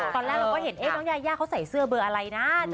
ตอนแรกเราก็เห็นน้องยายาเขาใส่เสื้อเบอร์อะไรนะ